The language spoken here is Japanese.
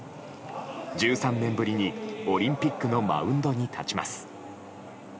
１３年ぶりにオリンピックのマウンドに立ちます。